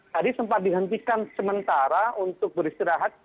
tadi sempat dihentikan sementara untuk beristirahat